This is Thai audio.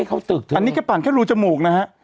อันนี้แม่มีแต่รูจมูกนะฮะ